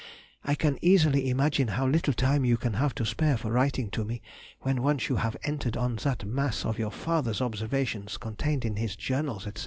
I can easily imagine how little time you can have to spare for writing to me when once you have entered on that mass of your father's observations contained in his journals, &c....